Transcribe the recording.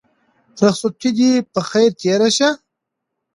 رخصتي دې په خير تېره شه.